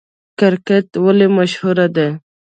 کرکټ ولې مشهور دی؟